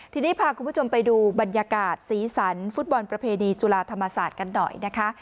ทีนี้พาคุณผู้ชมไปดูบรรยากาศสีสันฟุตบอลประเพณีจุฬาธรรมศาสตร์กันหน่อยนะคะ